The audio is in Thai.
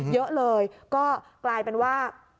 เยอะเลยก็กลายเป็นว่า